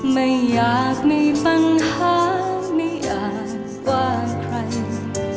ไม่อยากมีปัญหาไม่อาจกว้างใคร